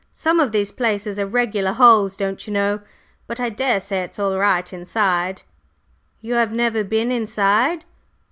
Some of these places are regular holes, don'cher know; but I daresay it's all right inside." "You have never been inside?"